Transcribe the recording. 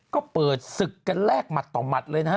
ก็เปิดศึกกันแรกหมัดต่อหมัดเลยนะฮะ